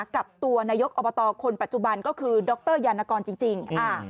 เขาเนี่ยปัญถึงก็คือดรยันกรจริง